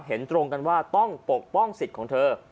เห็นตรงกันว่าต้องปกป้องสิทธิ์ของเธอ